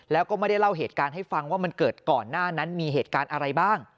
แล้วก็ไม่ได้เล่าเหตุการณ์ให้ฟังว่ามันเกิดก่อนหน้านั้นมีเหตุการณ์อะไรบ้าง